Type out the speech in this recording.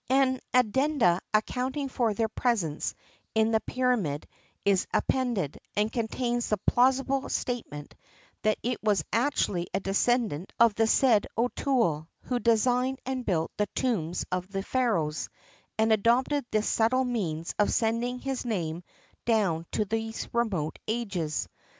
An Addenda accounting for their presence in the pyramid is appended, and contains the plausible statement, that it was actually a descendant of the said O'Toole, who designed and built the tombs of the Pharoahs, and adopted this subtle means of sending his name down to these remote ages.